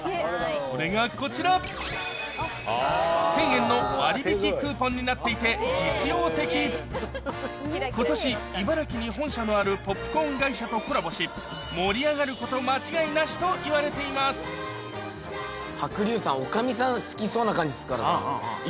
それがこちら１０００円の割引クーポンになっていて実用的今年茨城に本社のあるポップコーン会社とコラボし盛り上がること間違いなしといわれていますいいですね。